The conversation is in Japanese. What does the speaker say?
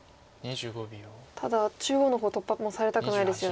ただ中央の方突破もされたくないですよね。